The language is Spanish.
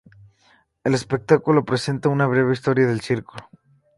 El espectáculo presenta una breve historia del Circo.